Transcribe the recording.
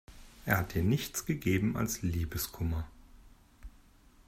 Er hat dir nichts gegeben als Liebeskummer.